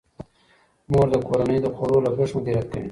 مور د کورنۍ د خوړو لګښت مدیریت کوي.